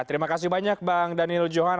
terima kasih banyak bang daniel johan